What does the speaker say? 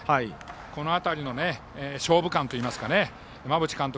この辺りの勝負勘といいますか馬淵監督